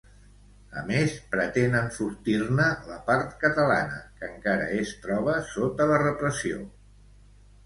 A més, pretén enfortir-ne la part catalana, que encara es troba sota la repressió.